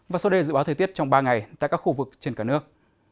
và sau đây là dự báo thời tiết trong ba ngày tại các khu vực trên cả nước